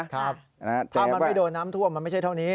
ถ้ามันไม่โดนน้ำท่วมมันไม่ใช่เท่านี้